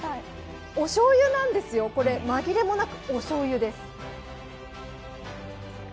おしょうゆなんですよ、紛れもなくおしょうゆです。